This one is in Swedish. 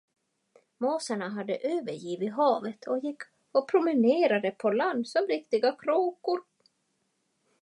Måsarna hade övergivit havet och gick och promenerade på land som riktiga kråkor.